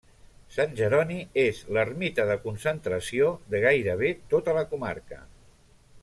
Sant Jeroni és l'ermita de concentració de gairebé tota la comarca.